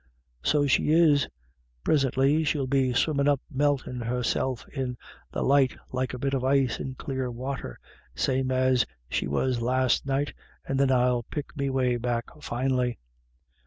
"So she is. Prisintly she'll be swimmin* up meltin' herself in the light like a bit of ice in clear water, same as she was last night, and then I'll pick me way back finely.